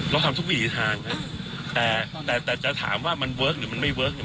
เราทำทุกวิถีทางแต่แต่จะถามว่ามันเวิร์คหรือมันไม่เวิร์ค